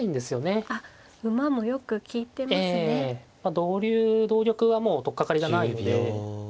同竜同玉はもう取っかかりがないので。